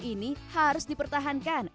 ini harus dipertahankan